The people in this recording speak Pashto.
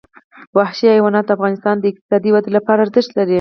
وحشي حیوانات د افغانستان د اقتصادي ودې لپاره ارزښت لري.